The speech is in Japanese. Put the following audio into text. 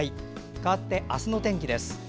かわって、明日の天気です。